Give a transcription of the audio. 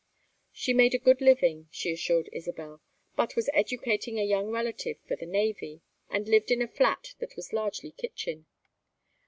She made a good living, she assured Isabel, but was educating a young relative for the navy, and lived in a flat that was largely kitchen.